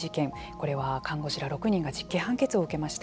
これは看護師ら６人が実刑判決を受けました。